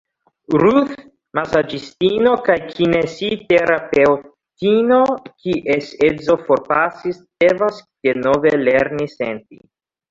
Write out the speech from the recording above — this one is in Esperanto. Ruth, masaĝistino kaj kinesiterapeŭtino kies edzo forpasis, devas denove lerni senti.